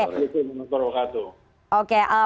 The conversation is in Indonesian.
selamat sore pak arifin